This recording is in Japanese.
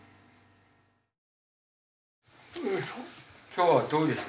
今日はどうです？